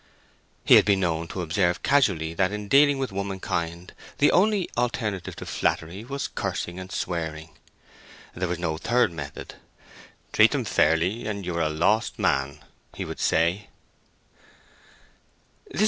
He had been known to observe casually that in dealing with womankind the only alternative to flattery was cursing and swearing. There was no third method. "Treat them fairly, and you are a lost man." he would say.